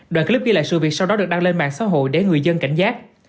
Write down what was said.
đoạn clip ghi lại sự việc sau đó được đăng lên mạng xã hội để người dân cảnh giác